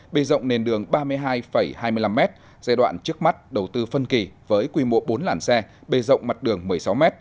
bề rộng nền đường ba mươi hai hai mươi năm m giai đoạn trước mắt đầu tư phân kỳ với quy mô bốn làn xe bề rộng mặt đường một mươi sáu m